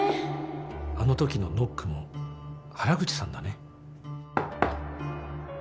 あのときのノックも原口さんだね？